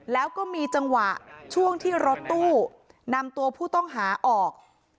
แล้วก็มีจังหวะช่วงที่รถตู้นำตัวผู้ต้องหาออก